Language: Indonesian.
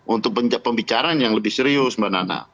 untuk pembicaraan yang lebih serius mbak nana